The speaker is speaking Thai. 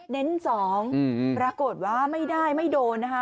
เน้น๒ปรากฏว่าไม่ได้ไม่โดนนะคะ